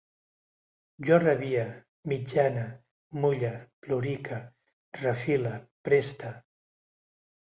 Jo rabie, mitjane, mulle, plorique, refile, preste